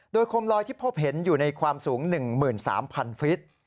โดยโคมลอยที่พบเห็นอยู่ในความสูง๑๓๐๐๐ฟิต